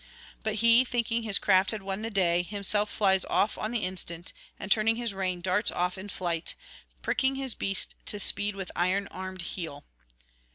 But he, thinking his craft had won the day, himself flies off on the instant, and turning his rein, darts off in flight, pricking his beast to speed with iron armed heel.